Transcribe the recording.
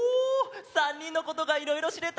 ３にんのことがいろいろしれた！